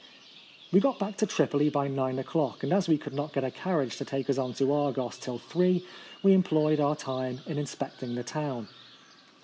"We got back to Tripoli by nine o'clock, and as we could not get a carriage to take us on to Argos till three, we employed our time in in specting the town.